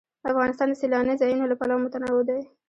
افغانستان د سیلانی ځایونه له پلوه متنوع دی.